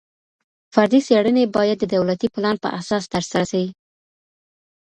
فردي څېړني باید د دولتي پلان په اساس ترسره سي.